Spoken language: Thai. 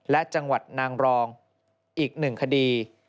และจังหวัดนางรองอีก๑คดี